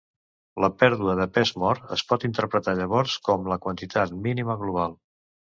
La pèrdua de pes mort, es pot interpretar llavors, com la quantitat mínima global.